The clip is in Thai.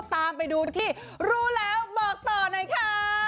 ตามไปดูที่รู้แล้วบอกต่อหน่อยค่ะ